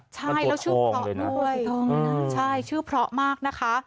ใช่แล้วชื่อเพราะด้วยใช่ชื่อเพราะมากนะคะ